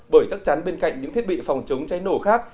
bởi chắc chắn bên cạnh những thiết bị phòng chống cháy nổ khác